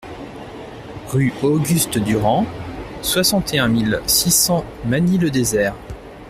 Rue Auguste Durand, soixante et un mille six cents Magny-le-Désert